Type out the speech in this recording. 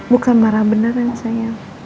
bukan marah beneran sayang